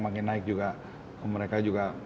makin naik juga mereka juga